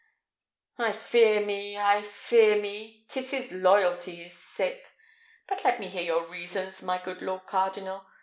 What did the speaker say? I fear me, I fear me, 'tis his loyalty is sick. But let me hear your reasons, my good lord cardinal.